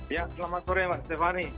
ya selamat sore pak stefani